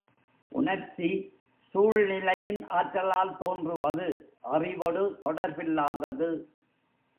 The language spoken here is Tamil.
உணர்ச்சி, சூழ்நிலையின் ஆற்றலால் தோன்றுவது அறிவொடு தொடர்பில்லாதது.